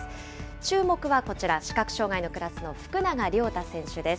注目はこちら、視覚障害のクラスの福永凌太選手です。